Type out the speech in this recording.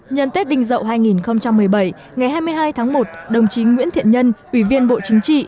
nhân tết đinh dậu hai nghìn một mươi bảy ngày hai mươi hai tháng một đồng chí nguyễn thiện nhân ủy viên bộ chính trị